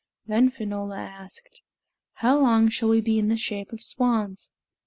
Then Finola asked, "How long shall we be in the shape of swans?"